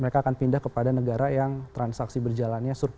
mereka akan pindah kepada negara yang transaksi berjalannya